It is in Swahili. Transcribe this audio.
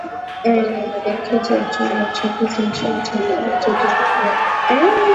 e ni mwenyekiti wa tume ya uchanguzi nchini tanzania jaji mstaafu